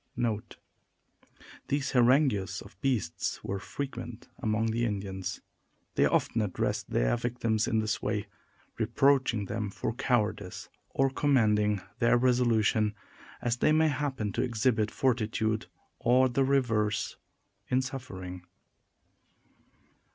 These harangues of the beasts were frequent among the Indians. They often address their victims in this way, reproaching them for cowardice or commending their resolution, as they may happen to exhibit fortitude or the reverse, in suffering.